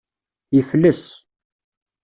Yefles.